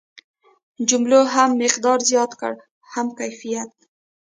جملو هم مقدار زیات کړ هم کیفیت.